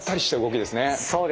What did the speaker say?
そうですね。